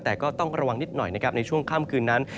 แต่ก็ต้องระวังนิดหน่อยนะครับในช่วงค่ำคืนนั้น